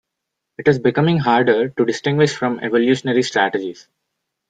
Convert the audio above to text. It is becoming harder to distinguish from evolutionary strategies.